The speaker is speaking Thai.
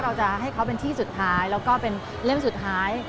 เราจะให้เขาเป็นที่สุดท้ายแล้วก็เป็นเล่มสุดท้าย